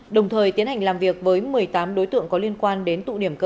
đồng thời tiến hành làm việc với một mươi tám đối tượng có liên quan